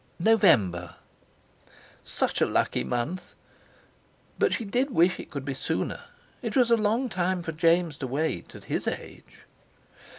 "November." Such a lucky month! But she did wish it could be sooner. It was a long time for James to wait, at his age!